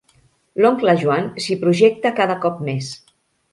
L'oncle Joan s'hi projecta cada cop més.